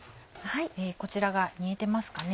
こちらが煮えてますかね。